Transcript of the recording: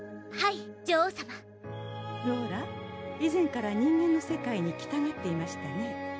はい女王さまローラ以前から人間の世界に行きたがっていましたね